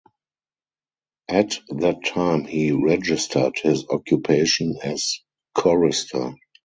At that time he registered his occupation as "chorister".